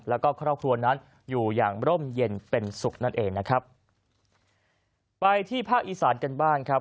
แล้วก็ครอบครัวนั้นอยู่อย่างร่มเย็นเป็นสุขนั่นเองนะครับไปที่ภาคอีสานกันบ้างครับ